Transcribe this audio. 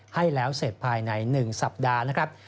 ให้แล้วเสร็จภายใน๑สัปดาห์นะครับ